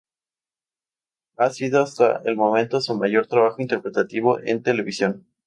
Ha sido hasta el momento su mayor trabajo interpretativo en televisión.